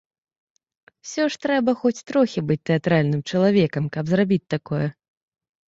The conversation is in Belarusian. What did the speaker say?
Усё ж трэба хоць трохі быць тэатральным чалавекам, каб зрабіць такое.